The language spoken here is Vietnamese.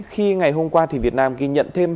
khi ngày hôm qua việt nam ghi nhận thêm